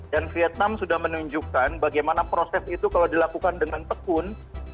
dan vietnam sudah menunjukkan bagaimana proses itu kalau dilakukan dengan tekun